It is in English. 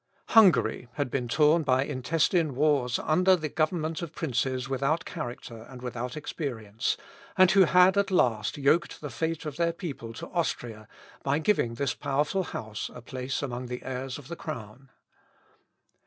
Hungary had been torn by intestine wars under the government of princes without character and without experience, and who had at last yoked the fate of their people to Austria, by giving this powerful House a place among the heirs of the crown.